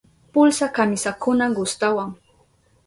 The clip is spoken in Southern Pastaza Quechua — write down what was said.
Pulsa kamisakuna gustawan.